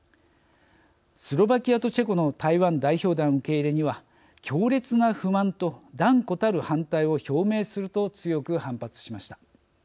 スロバキアとチェコの台湾代表団受け入れには「強烈な不満と断固たる反対を表明する」と強く反発しました。